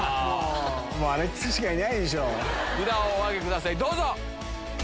札をお挙げくださいどうぞ。